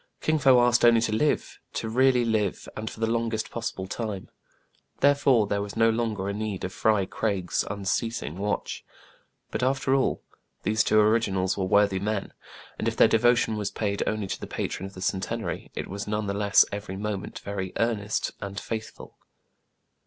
Kin Fo asked only to live, to really live, and for the longest possible time. Therefore 1 66 TRIBULATIONS OF A CHINAMAN, there was no longer a need of Fry Craig*s un ceasing watch. But, after all, these two originals were worthy men ; and, if their devotion was paid only to the patron of the Centenary, it was none the less every moment very earnest and faithful.